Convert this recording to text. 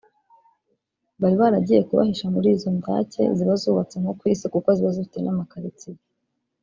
bari baragiye kubahisha muri izo ndake ziba zubatse nko ku isi kuko ziba zifite namakaritsiye